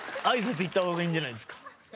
あいさついった方がいいんじゃないですか？